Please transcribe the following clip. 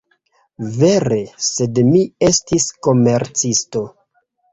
Vere! sed mi estis komercisto!